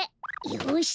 よし！